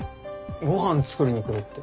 ご飯作りに来るって。